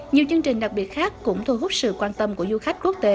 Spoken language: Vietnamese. nhiều chương trình đặc biệt khác cũng thu hút sự quan tâm của du khách quốc tế